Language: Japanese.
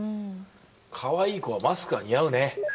かわいい子はマスクが似合うね。